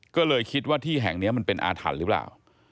ก็เลยคิดว่าที่แห่งนี้มันเป็นอาถรรพ์หรือเปล่า